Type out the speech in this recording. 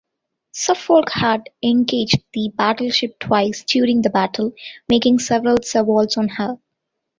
"Suffolk" had engaged the battleship twice during the battle, making several salvoes on her.